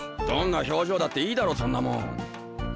どんな表情だっていいだろそんなもん！